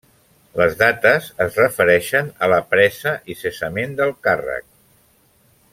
Les dates es refereixen a la presa i cessament del càrrec.